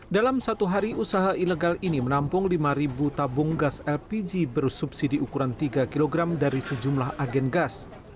dalam satu hari usaha ilegal ini menampung lima tabung gas lpg bersubsidi ukuran tiga kg dari sejumlah agen gas